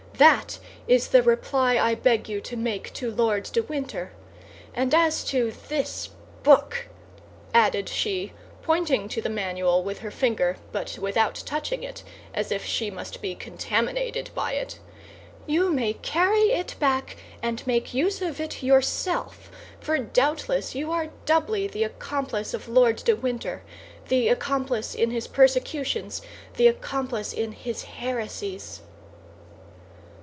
That is the reply I beg you to make to Lord de Winter. And as to this book," added she, pointing to the manual with her finger but without touching it, as if she must be contaminated by it, "you may carry it back and make use of it yourself, for doubtless you are doubly the accomplice of Lord de Winter—the accomplice in his persecutions, the accomplice in his heresies."